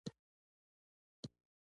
تورن جنرال د قول اردو مشري کوي